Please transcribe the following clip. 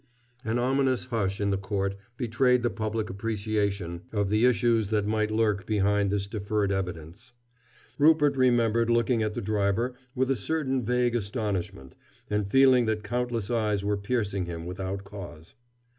An ominous hush in the court betrayed the public appreciation of the issues that might lurk behind this deferred evidence. Rupert remembered looking at the driver with a certain vague astonishment, and feeling that countless eyes were piercing him without cause.